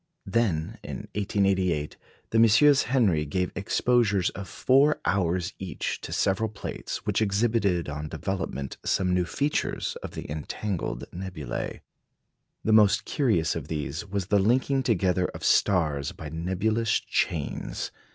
Then in 1888 the MM. Henry gave exposures of four hours each to several plates, which exhibited on development some new features of the entangled nebulæ. The most curious of these was the linking together of stars by nebulous chains.